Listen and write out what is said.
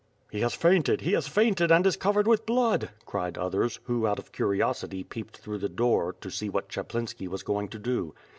"He has fainted, he has fainted and is covered with blood," cried others, who out of curiosity peeped through the door, to see what Chaplinski was going to do.